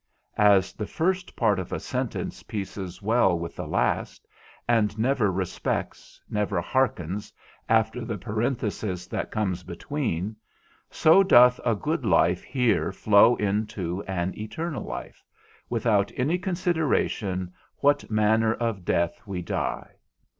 As the first part of a sentence pieces well with the last, and never respects, never hearkens after the parenthesis that comes between, so doth a good life here flow into an eternal life, without any consideration what manner of death we die.